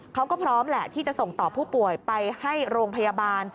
เขาก็พร้อมแหละที่จะส่งต่อผู้ป่วยไปให้โรงพยาบาล